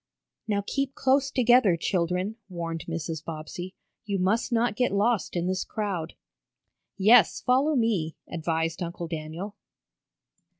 "Now keep close together, children," warned Mrs. Bobbsey. "You must not get lost in this crowd." "Yes, follow me," advised Uncle Daniel.